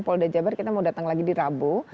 polda jabar kita mau datang lagi di rabu